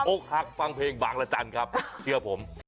โอ๊คหักฟังเพลงบางระจันครับเชื่อผม